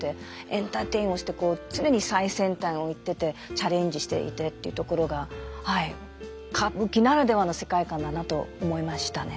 エンターテインメントもして常に最先端を行っててチャレンジしていてっていうところが歌舞伎ならではの世界観だなと思いましたね。